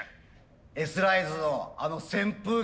Ｓライズのあの扇風機。